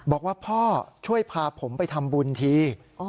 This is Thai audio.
บอกว่าพ่อช่วยพาผมไปทำบุญที